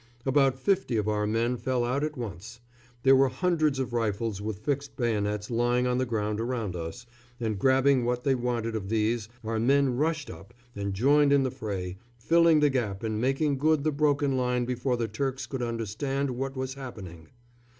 About fifty of our men fell out at once. There were hundreds of rifles with fixed bayonets lying on the ground around us, and grabbing what they wanted of these, our men rushed up and joined in the fray, filling the gap and making good the broken line before the Turks could understand what was happening.